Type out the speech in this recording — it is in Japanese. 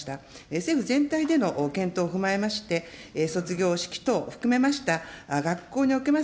政府全体での検討を踏まえまして、卒業式等を含めました学校におけます